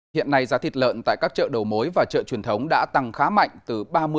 hiện nay giá thịt lợn tại các chợ đầu mối và chợ truyền thống đã tăng khá mạnh từ ba mươi